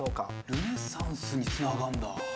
ルネサンスにつながんだ。